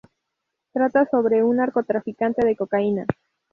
Trata sobre un narcotraficante de cocaína.